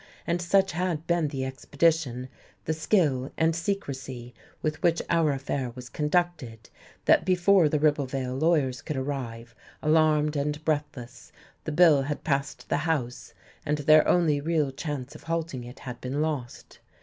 And such had been the expedition, the skill and secrecy, with which our affair was conducted, that before the Ribblevale lawyers could arrive, alarmed and breathless, the bill had passed the House, and their only real chance of halting it had been lost.